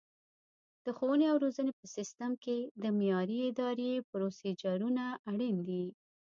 د ښوونې او روزنې په سیستم کې د معیاري ادرایې پروسیجرونه اړین دي.